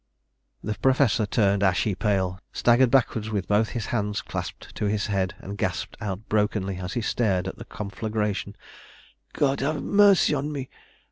The Professor turned ashy pale, staggered backwards with both his hands clasped to his head, and gasped out brokenly as he stared at the conflagration "God have mercy on me!